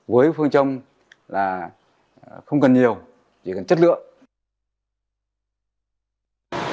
với phương châm là không cần nhiều chỉ cần chất lượng